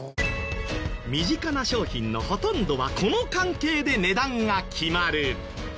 身近な商品のほとんどはこの関係で値段が決まる。